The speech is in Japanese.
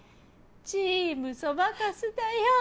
チームそばかすだよ！